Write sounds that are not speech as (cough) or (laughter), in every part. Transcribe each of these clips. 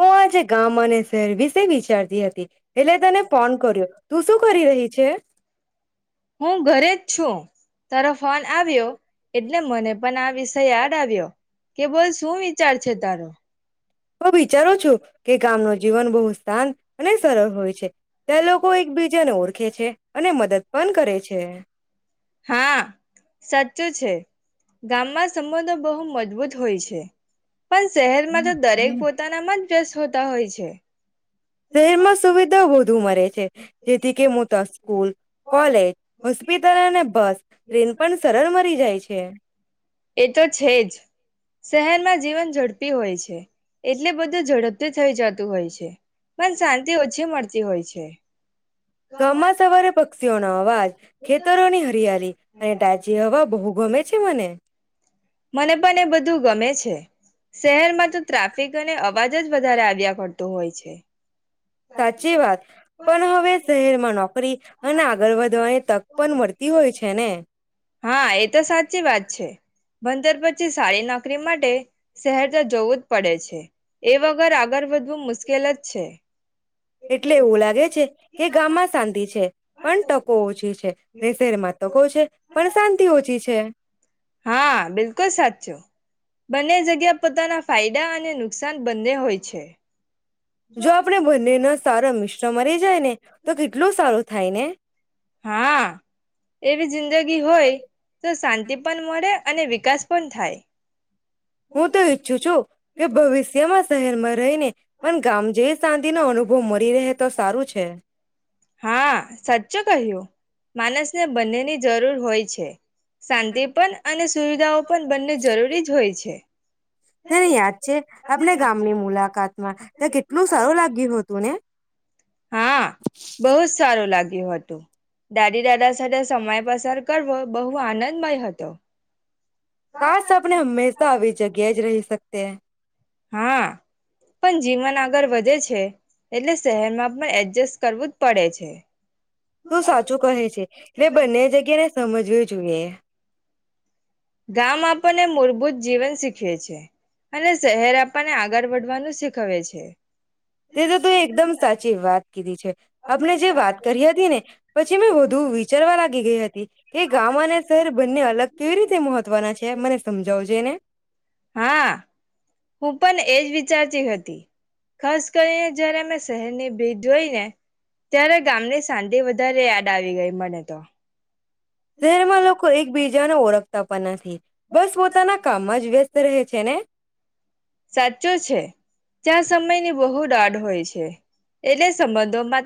હું આજે ગામ અને શહેર વિશે વિચારતી હતી એટલે તને ફોન કર્યો તું શું કરી રહી છે હું ઘરે જ છું તરફ ફોન આવ્યો એટલે મને પણ આ વિષય યાદ આવ્યો. કે બોજ હું વિચારો છું કે કામ નો જીવન બો શાંત અને સરળ હોય છે તે લોકો એકબીજાને ઓળખ રાખે છે અને મદદ પણ કરે છે. હા સાચું છે ગામમાં સંબંધો બહુ મજબૂત હોય છે. પણ શહેરમાં જો દરેક પોતાનામાં જ (unintelligible) હોતા હોય છે. તેરમાં સુવિધા હો ધું મરે છે જેથી કે મોતો સ્કૂલ કોલેજ, હોસ્પિટલ અને બસ ટ્રેન પણ સરળ મળી જાય છે. એ તો છે જ. શહેરમાં જીવન ઝડપી હોય છે એટલે બધું ઝડપથી થઈ જતું હોય છે. મન શાંતિ ઓછી મળતી હોય છે. ગામમાં સવારે પક્ષીઓ નો અવાજ, ખેતરોની હરિયાલિ અને તાચી હવા બહુ ગમે છે મને.. મને પણ એ બધું ગમે છે. શહેરમાં તો ટ્રાફિક અને અવાજ જ વધારે આવ્યા કરતો હોય છે. સાચી વાત પણ હવે શહેરમાં નોકરી અને આગળ વધવાની તક પણ મળતી હોય છે ને. હા એ તો સાચી વાત છે ભણતર પછી સારી નોકરી માટે શહેરજ જવું જ પડે છે. એ વગર આગળ વધવું મુશ્કેલ ઉકેલ જ છે. એટલે એવું લાગે છે કે ગામમાં શાંતિ છે પણ તકો ઓછી છે રે શહેરમાં તકો છે પણ શાંતિ ઓછી છે. હા બિલકુલ સાચું. બંને જગ્યા પોતાના ફાયદા અને નુકસાન બંને હોય છે. જો આપણે બંને નો.. (unintelligible) (unintelligible) મરી જાય ને તો કેટલું સારું થાય ને! હા એવી જિંદગી હોય તો શાંતિ પણ મળે અને વિકાસ પણ થાય. હું તો ઈચ્છું છું કે ભવિષ્યમાં શહેરમાં રહીને મને ગામ જ શાંત (unintelligible) નો અનુભવ મળે હા સાચું કહ્યું. માનસ ને બંને ની જરૂર હોય. છે. શાંતિપન અને સુવિધાઓ પણ બંને જરૂરી જ હોય છે. તને યાદ છે આપણે ગામની મુલાકાતમાં તા કેટલું સારું લાગ્યું હતું ને! હા બહુ જ સારું લાગ્યું હતું દાદી દાદા સાથે સમય પસાર કરવો બહુ આનંદમય હતો. કાશ આપને હમેશા આવી જગ્યા જ રહી સકતે. હા પણ જીવન આગળ વધે છે એટલે શહેરમાં પણ એડજસ્ટ કરવું જ પડે છે. તું સાચું કહે છે તે બંને જગ્યા ને સમજવુ જોઈએ. ગામ આપણને મૂળભૂત જીવન શીખવે છે અને શહેર આપણને આગળ વધવાનું શીખવે છે. તે તો તું એકદમ સાચી વાત કીધી છે. આપણે જે વાત કરી હતી ને પછી મેં વધુ વિચારવા લાગી ગઈ હતી કે ગામ અને શહેર બંને અલગ કેવી રીતે મહત્વના છે મને સમજાવજે ને હા હું પણ એજ વિચારતી હતી. ખાસ કરીને જયારે મેં શહેરની ભીડ જોઈ ને ત્યારે ગામની સાંદે વધ દરે યાદ આવી ગઈ મને તો. શેરમાં લોકો એકબીજાને ઓળખ તપા નથી. બસ પોતાના કામમાં જ વ્યસ્ત રહે છે ને? સાચો છે જ્યાં સમયની બહુ દાઢ હોય છે. એટલે સંબંધો માં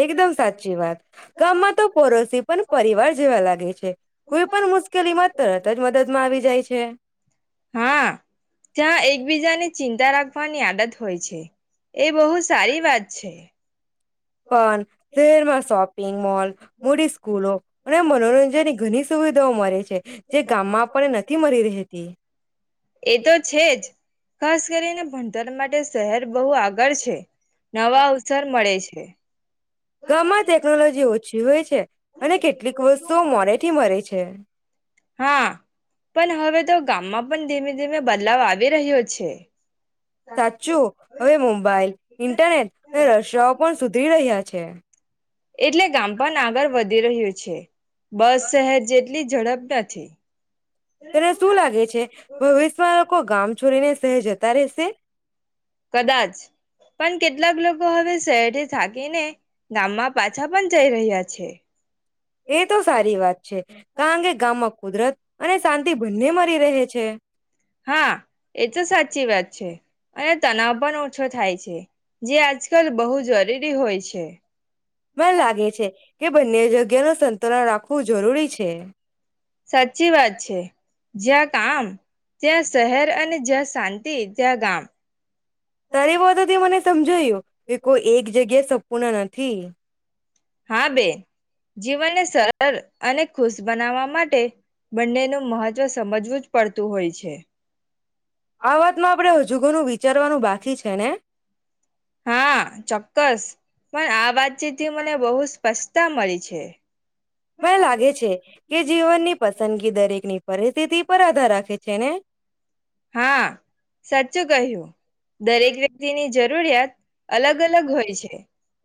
એકદમ સાચી વાત. ગામમાં તો પડોશી પણ પરિવાર જેવા લાગે છે, કોઈ પણ મુશ્કેલી માં તરત જ મદદ માં આવી જાય છે. હા જ્યા એક એકબીજાને ચિંતા રાખવાની આદત હોય છે એ બહુ સારી વાત છે. પણ શહેર માં સોપ પિંગમોલ મોટી સ્કૂલો અને મનોરંજન ની ઘણી સુવિધાઓ મળે છે. જે ગામમાં આપણે નથી મરી રહેતી. (inaudible) એ તો છેજ. ખાસ કરીને ભણતર માટે શહેર બહુ આગળ છે. નવા અવસર મળે છ છે. ગમાં ટેકનોલોજી ઓછી હોય છ છે, અને કેટલીક વસ્તુ મોડે થી મળે છે. હા. પન હવે તો ગામમાં પૉ ધીમે-ધીમે બદલાવ આવી રહ્યો છે. સાચું. હવે મોબાાઈલ ઇન્ટરનેટ અને રશિયાઓ પણ સુધરી રહ્યા છ છે. એટલે ગામ પન આગળ વધી રહ્યું છે. બસ, શહેર જેટ ટલી ઝડપ નથી. તને શું લાગે છે ભવિષ્વા લોકો ગામ છોડીને શહેર જતા રહેશે? કદાચ, પણ કેટલાક લોકો હવે શહેરથી થાકીને ગામમાં પાછા પન જઈ રહ્યા છે. એ તો સારી વાત છે કા અંગે ગામમાં કુદરત અને શાંતિ બંને મળરી રહે છે હા એ તો સાચી વાત છે અને તનાવ પણ ઓછો થાય છે જે આજકાલ બહુ જરૂરી હોય છે. મને લાગે છે, કે બંને જગ્યા ન સંતુલન રાખવું જરૂરી છે. સાચી વાત છે, જ્યાં કામ ત્યાં શહેર અને જ્યાં શાંતિ ત્યાં ગામ. તારી (unintelligible) સમજાયું એ કોઈ એક જગ્યા સ પુના નથી. હા બેન જીવનને સરળ અને ખુશ બનાવવા માટે બંનેનું મહજવ સમજવું જ પડતું હોય છે. આ વાતમાં આપડણે હજુ ઘનું વિચારવાનું બાકી છે ને? હા ચોક્કસ પણ આ વાતચીતથી મને બહુ સ્પષ્ટતા મળી છે. મંને લાગે છે કે જીવનની પ સંદગી દરેક ની પરિસ્થિતિ પર આધાર રાખે છે ને? હા સાચું કહ્યું દરેક વ્યક્તિની જ જરૂરિયાત અલગ અલગ હોય છે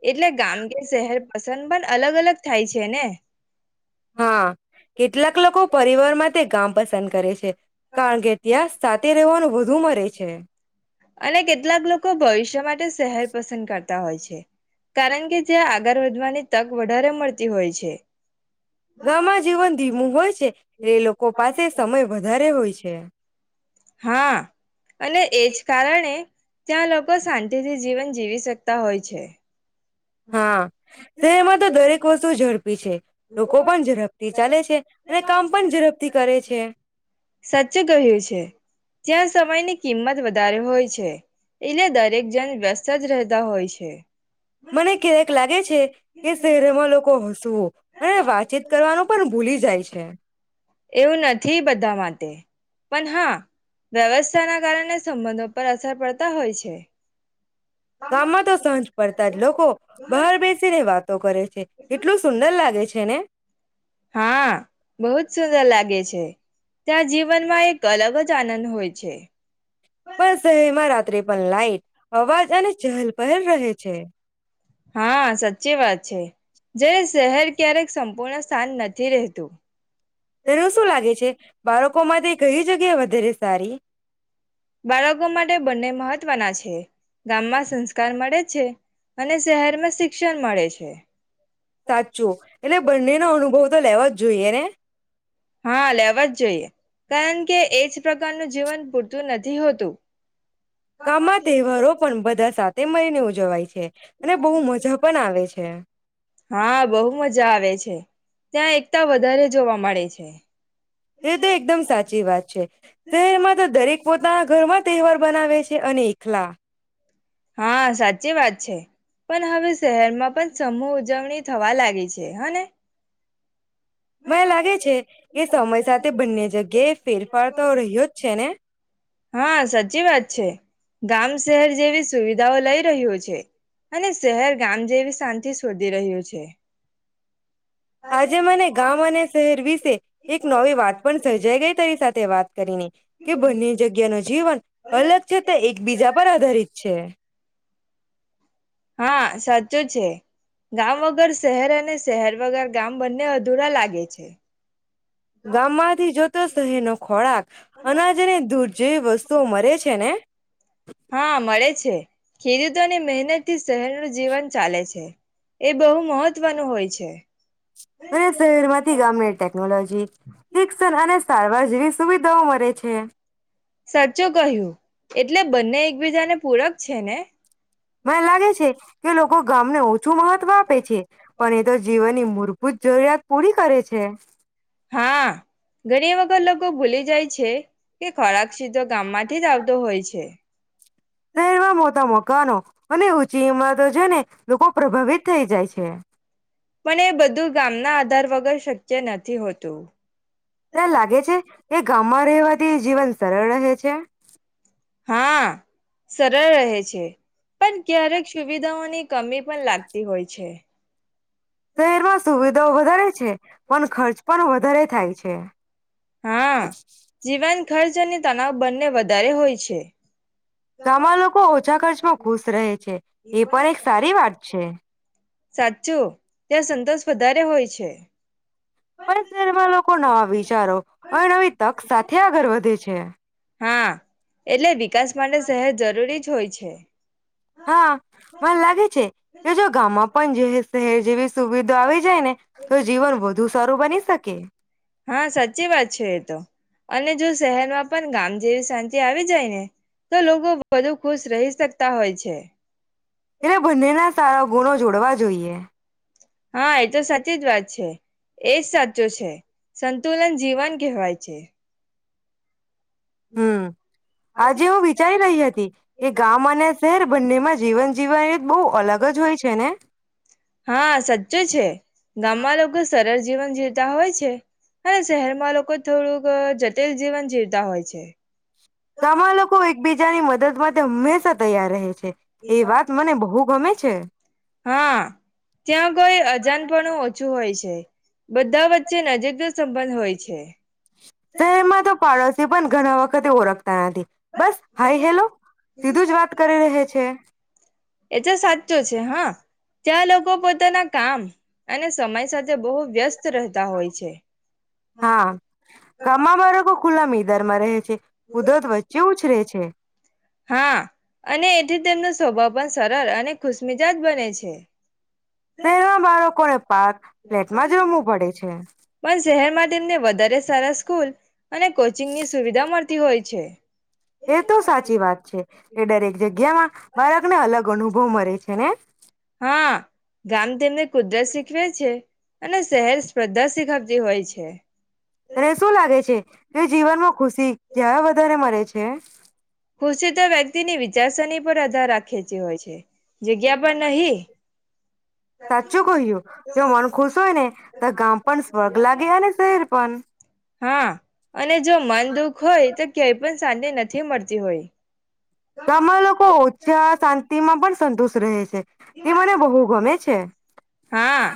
એટલે ગામ કે શહેર પસંદ પણ અલગ અલગ થાય છે ને. હાં કેટલાક લોકો પરિવારમાં તે ગામ પસંદ કરે છે કારણ કે ત્યાં સાથે રહેવાનું વધુ મરે છે અને કેટલાક લોકો ભવિષ્ય માટે શહેર પસંદ કર તા હોય છે કારણ કે ત્યાં આગર વધવાની તક વધારે મરતી હોય છે. ગામમાં જીવન ધીમું હોય છે. એ લોકો પાસે સમય વધારે હોય છે છે. હા અને એજ કારણે ત્યાં લોકો શાંતિથી જીવન જીવી શકતા હોય છે. હા શહેરમાં તો દરેક વસ્તુ ઝડપી છે. લોકો પણ ઝરપથી ચાલે છે અને કામ પણ ઝરપથી કરે છે. સાચું કહ્યું છે ત્યાં સમયની કિંમત વધારે હોય છે. એટલે દરેક જન વ્યસ્ત જ રહેતા હોય છે. મને ક્યારેક લાગે છે કે શહેરમાં લોકો હસવું અને વાતચીત કરવાનું પણ ભૂલી જાય છે. એવું નથી બધા માટે, પણ હા વ્યવસ્થાના કારણે સંબંધો પર અસર પડતા તા હોય છે. ગામમાં તો સાંજ પડતા જ લોકો બહાર બેસીને વાત તો કરે છે એટલું સુંદર લાગે છે ને? હા, બહુંજ સુંદર લાગે છે. ત્યાં જીવનમાં એક એક અલગજ આનંદ હોય છે. પણ શહેરમાં રાત્રે પણ લાાઈટ અવાજ અને ચહલ પહેલ રહે છે. હા, સાચી વાત. છે, જે શહેર ક્યારેક સંપૂર્ણ શાંત નથી રહેતું. તને શું લાગે છે, બાળકો માં કઈ જગ્યા વધારે સારી બાળકો માટે બંને મહત્વના છે. ગામમાં સંસ્કાર મળે છે અને શહેરમાં શિક્ષણ મળે છે. સાચું એટલે બંનેનો અનુભવ તો લેવા જ જોઈએ ને. હા લેવા જ જોઈએ, કારણ કે એજ પ્રકારનું જીવન પૂરતું નથી હોતું. ગામમાં તહેવારો પણ બધા સાથે મળીને ઉજાવાય છે અને બહુ મજા પણ આવે છે. હા, બહુ મજા આવે છે. ત્યાં એકતા વધારે જોવા મળે છે. એ (inaudible) એ તો એકદમ સાચી વાત છે, શહેરમાં તો દરેક પોતાના ઘરમાં તહેવાર બનાવે છે અને એકલા હા, સાચી વાત છે પણ હવે શહેરમાં પણ સમૂહ ઉજવણી થવા લાગી છે હને! મને લાગે છે કે સમય સાથે બંને જગ્યાએ ફેરફાર તો રહ્યો જ છે ને. હા, સાચી વાત છે ગામ શહેર જેવી સુવિધાઓ લઈ રહ્યું છે અને શહેર ગામ જેવી શાંતિ શોધી રહ્યું છે. આજે મને ગામ અને શહેર વિશે એક નવી વાત પણ સર્જાઈ ગઈ તારી સાથ તે વાત કરી કે બંને જગ્યાનું જીવન અલગ છે તે એકબીજા પર આધારિત છે. હા, સાચું છે ગામ વગર શહેર અને શહેર વગર ગામ બંને અધુરા લાગે છે. ગામમાંથી જોતો શહેર નો ખોરાક અનાજને દૂધ જે વસ્તુઓ મરે છે ને હા મળે છે, ખેડૂતોને મહેનતથી શહેરનું જીવન ચાલે છે એ બહુ મહત્વનું હોય છે. અને શહેરમાંથી ગામને ટેકનોલોજી, શિક્ષણ અને સારવાર જેવી સુવિધાઓ મળે છે. હે. સાચુ કહ્યું એટલે બંને એકબીજાને પૂરક છે ને! મને લાગે છે કે લોકો ગામને ઓછું મહત્વ આપે છે પણ એ તો જીવનની મૂળભૂત જરૂરિયાત પૂરી કરે છે. હા, ઘણી વખત લોકો ભૂલી જાય છે કે ખોરાક પછી તો ગામમાંથી જ આવતો હોય છે. શહેરમાં મોટા મકાનો અને ઊંચી ઇમારતો જોઈને લોકો પ્રભાવિત થઈ જાય છે. પણ એ બધું ગામના આધાર વગર શક્ય નથી હોતું. તને લાગે છે કે ગામમાં રહેવાથી જીવન સરળ રહે છે? હા, સરળ રહે છે પણ ક્યારેક સુવિધાઓની કમી પણ લાગતી હોય છે. શહેરમાં સુવિધાઓ વધારે છે પણ ખર્ચ પણ વધારે થાય છે. હા જીવન. ખર્ચની તણાવ બંને વધારે હોય છે. ગામમાં લોકો ઓછા ખર્ચમાં ખુશ રહે છે. એ પણ એક સારી વાત છે સાચું ત્યાં સંતોષ વધારે હોય છે પણ તેરમાં લોકો નવા વિચારો અનેવે નવી તક સાથે આગળ વધે છે હા એટલે વિકાસ માટે સહેજ જરૂરી જ હોય છે હા ભ લાગે છે કે જો ગામમાં પણ જે શહેર જેવી સુવિધા આવી જાય ને તો જીવન વધુ સારું બની શકે હા સાચી વાત છે એતો અને જો શહેરમાં પણ ગામ જેવી શાંતિ આવી જાય ને તો લોકો વધુ ખુશ રહી શકતા હોય છે એટલે બંને ના સારા ગુણો જોડવા જોઈએ હા એ તો સાચી જ વાત છે એજ સાચો છે સંતુલન જીવન કહેવાય છે હમ આજે હ વિચારી રહી હતી કે ગામ અને શહેર બંનેમાં જીવન જીવન બહુ અલગ જ હોય છે ને હા સાચું છે ગામમાં લોકો સરળ જીવન જીવતા હોય છે અને શહેરમાં લોકો થોડુંક જટિલ જીવન જીવતા હોય છે ગામ લોકો એકબીજાની મદદ હંમેશા તૈયાર રહે છે એ વાત મને બહુ ગમે છે હા ત્યાં કોઈ અજાન પણણ ઓછું હોય છે બધા વચ્ચે નજીકનો સંબંધ હોય છે શહેરમાં તો પાડોશી પણ ઘણા વાખ કતે ઓ રાખ થી બસ હાઈ હેલો સીધું જ વાત કરી રહે છે એ તો સાચું છે હા ત્યાં લોકો પોતાના કામ અને સમય સાથે બહુ વ્યસ્ત રહેતા હોય છે હા કામ મારો કો ખુલ્લા મીધર માં રહે છે કુદરત વચ્ચે ઉછરે છે હા અને એથી તેમનો સ્વભાવ પણ સરળ અને ખુશમીજાજ બને છે શહેના બાળકોને પારક ફ્લેટમાં જ રમવું પડે છે પણ શહેરમાં તેમને વધારે સારા સ્કૂલ અને કોચિંગની સુવિધા મળતી હોય છે એ તો સાચી વાત છે એ દરેક જગ્યામાં બાળકને અલગ અનુભવ મરે છે ને હા ગામ તેમને કુદરત શીખવે છે. અને શહેર સ્પર્ધા શીખાવતી હોય છે. તને શું લાગે છે કે જીવનમાં ખુશી ક્યારે વધારે મળે છે. છે. ખુશી તો વ્યક્તિની વિચારસરણી પર આધાર રાખે છે હોય છે. જગ્યા પણ નહી. સાચું કહ્યું જો મન ખુશ હોય ને તો ગામ પણ સ્વર્ગ લાગે અને શહેર પણ હા સાંજ નથી મળતી હોય. ગામમાં લોકો ઓછા શાંતિ માં પણ સંતુષ. રહે છે. તે મને બહુ ગમે છે. હા.